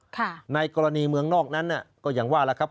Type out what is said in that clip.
ในกรณีเมืองนอกนั้นน่ะก็อย่างว่าล่ะครับ